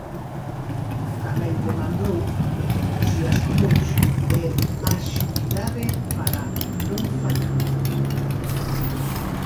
Tamén demandou metodoloxías comúns e "axilidade" para "non fallar".